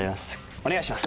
お願いします！